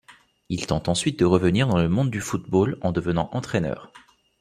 Il tente ensuite de revenir dans le monde du football en devenant entraîneur.